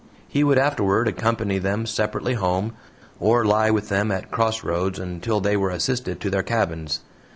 He would afterward accompany them separately home, or lie with them at crossroads until they were assisted to their cabins.